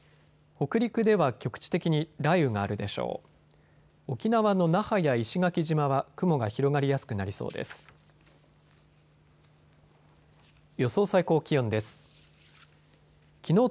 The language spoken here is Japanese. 北陸では局地的に雷雨があるでしょう。